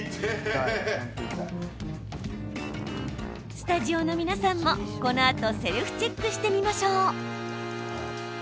スタジオの皆さんもこのあとセルフチェックしてみましょう。